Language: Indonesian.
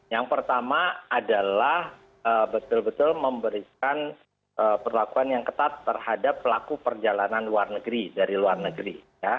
yang pertama adalah betul betul memberikan perlakuan yang ketat terhadap pelaku perjalanan luar negeri dari luar negeri